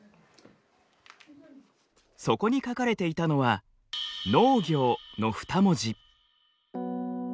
そこに書かれていたのは「農業」の２文字。